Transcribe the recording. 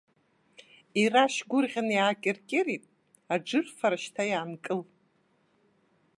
Ирашь гәрӷьан иаакьыркьырит, аџырфара шьҭа иаанкыл.